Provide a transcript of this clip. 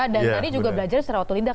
dan tadi juga belajar secara otolidak